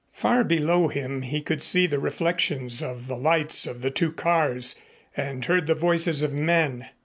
Far below him he could see the reflections of the lights of the two cars and heard the voices of men.